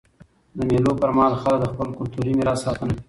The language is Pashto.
د مېلو پر مهال خلک د خپل کلتوري میراث ساتنه کوي.